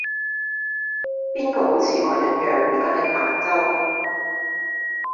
邊個好似我一樣而家喺琶洲